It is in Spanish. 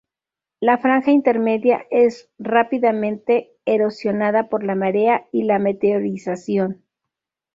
La franja intermedia es rápidamente erosionada por la marea y la meteorización.